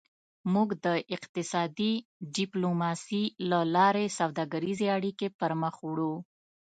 موږ د اقتصادي ډیپلوماسي له لارې سوداګریزې اړیکې پرمخ وړو